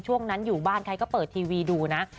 ช่วงนั้นอยู่บ้านใครก็เปิดทีวีดูนะ